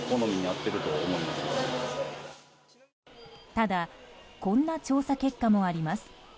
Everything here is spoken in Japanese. ただこんな調査結果もあります。